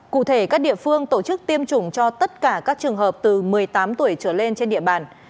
cụ thể các địa phương tổ chức tiêm chủng cho tất cả các trường hợp từ một mươi tám tuổi trở lên trên địa bàn